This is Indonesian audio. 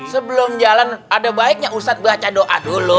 sebelum jalan ada baiknya ustadz baca doa dulu